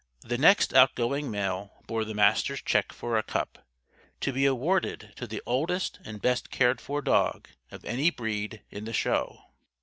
The next outgoing mail bore the Master's check for a cup. "To be awarded to the oldest and best cared for dog, of any breed, in the Show."